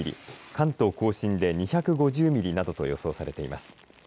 関東甲信で２５０ミリなどと予想されています。